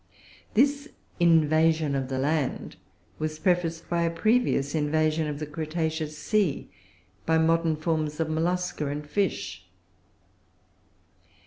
This invasion of the land was prefaced by a previous invasion of the Cretaceous sea by modern forms of mollusca and fish.